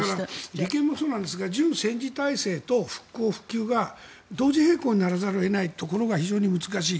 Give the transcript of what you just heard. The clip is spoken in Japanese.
利権もそうですが準戦時体制と復興・復旧が同時並行にならざるを得ないところが非常に難しい。